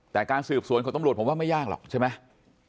แต่การสืบสวนของตำรวจผมว่าไม่ยากหรอกใช่ไหม